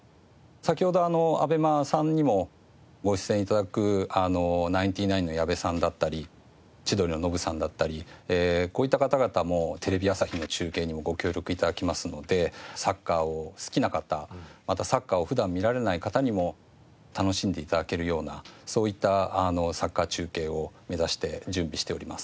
先ほどＡＢＥＭＡさんにもご出演頂くナインティナインの矢部さんだったり千鳥のノブさんだったりこういった方々もテレビ朝日の中継にもご協力頂きますのでサッカーを好きな方またサッカーを普段見られない方にも楽しんで頂けるようなそういったサッカー中継を目指して準備しております。